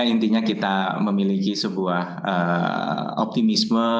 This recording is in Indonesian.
intinya kita memiliki sebuah optimisme